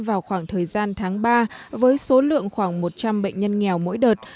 vào khoảng thời gian tháng ba với số lượng khoảng một trăm linh bệnh nhân nghèo mỗi đợt